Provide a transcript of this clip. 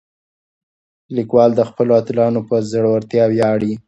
لیکوال د خپلو اتلانو په زړورتیا ویاړي.